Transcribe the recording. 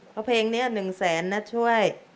เพราะเพลงนี้หนึ่งแสนน่ะก็ช่วย